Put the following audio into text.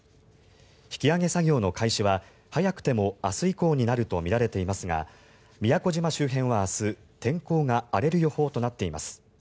引き揚げ作業の開始は早くても明日以降になるとみられていますが宮古島周辺は明日天候が荒れる予報となっています。